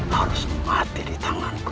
harus mati di tanganku